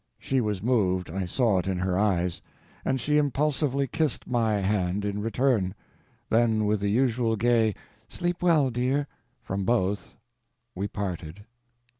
She was moved—I saw it in her eyes—and she impulsively kissed my hand in return. Then with the usual gay "Sleep well, dear!" from both, we parted.